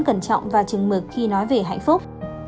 trọng và chừng mực khi nói về hạnh phúc